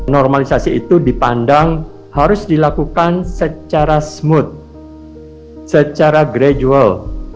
normalisasi itu dipandang harus dilakukan secara smooth secara gradual